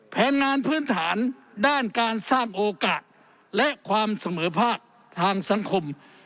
แผนงานพื้นฐานด้านการสร้างโอกาสและความเสมอภาคทางสังคม